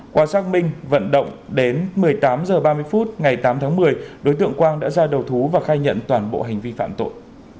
qua xác minh vận động đến một mươi tám h ba mươi phút ngày tám tháng một mươi đối tượng quang đã ra đầu thú và khai nhận toàn bộ hành vi phạm tội